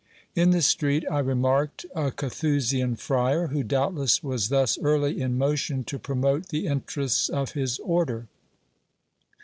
In the street I remarked a Carthusian friar, who doubtless was thus early in motion to promote the interests of his order.